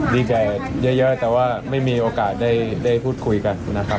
ดีใจเยอะแต่ว่าไม่มีโอกาสได้พูดคุยกันนะครับ